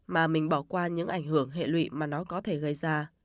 mà mình bỏ qua những ảnh hưởng hệ lụy mà nó có thể gây ra